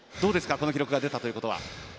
この記録が出たということは。